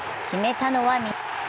決めたのは南野。